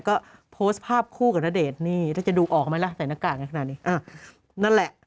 ก็โพสต์ภาพคู่กับณเดชน์นี่แล้วจะดูออกไหมล่ะใส่หน้ากากกันขนาดนี้อ่านั่นแหละ